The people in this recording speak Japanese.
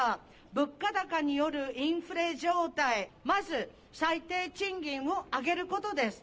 物価高によるインフレ状態、まず最低賃金を上げることです。